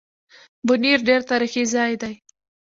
بونېر ډېر تاريخي ځای دی